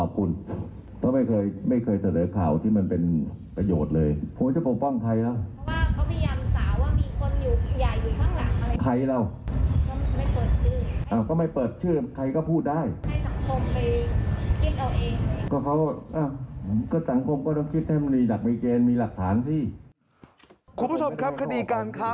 เปิดเผยขึ้นมา